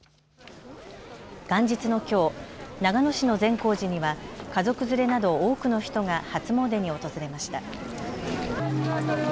元日のきょう長野市の善光寺には家族連れなど、多くの人が初詣に訪れました。